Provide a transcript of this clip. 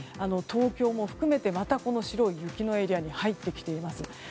東京も含めてまた白い雪のエリアに入ってきています。